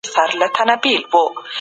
تاسي تل د خپلو مشرانو عزت کوئ.